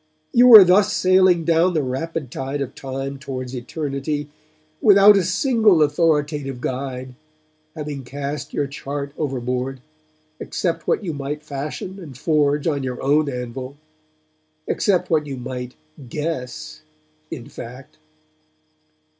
You were thus sailing down the rapid tide of time towards Eternity, without a single authoritative guide (having cast your chart overboard), except what you might fashion and forge on your own anvil, except what you might guess, in fact.